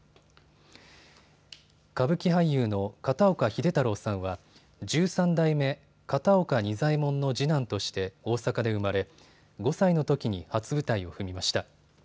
歌舞伎俳優の片岡秀太郎さんは十三代目片岡仁左衛門の次男として大阪で生まれ５歳のときに初舞台を踏みました。